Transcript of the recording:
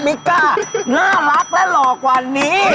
ก้าน่ารักและหล่อกว่านี้